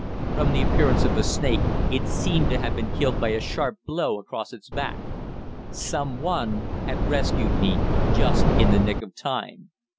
From the appearance of the snake, it seemed to have been killed by a sharp blow across its back. Some one had rescued me just in the nick of time.